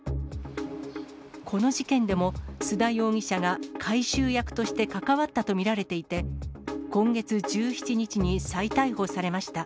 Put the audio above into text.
この事件でも須田容疑者が回収役として関わったと見られていて、今月１７日に再逮捕されました。